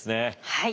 はい。